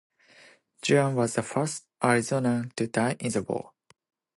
Juan was the first Arizonan to die in the war.